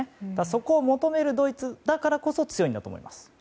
そこを求めるドイツだからこそ強いんだと思います。